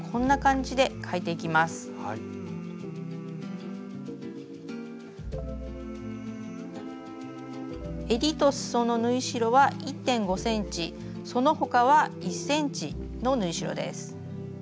えりとすその縫い代は１．５ｃｍその他は１ｃｍの縫い代です。